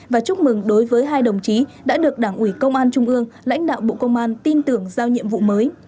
và chúc mừng đối với hai đồng chí đã được đảng ủy công an trung ương lãnh đạo bộ công an tin tưởng giao nhiệm vụ mới